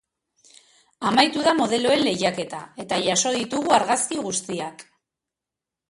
Amaitu da modeloen lehiaketa eta jaso ditugu argazki guztiak.